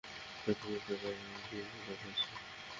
এ পর্যন্ত তাতে আমার কী উপকার হয়েছে?